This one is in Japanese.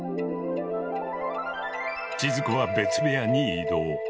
千鶴子は別部屋に移動。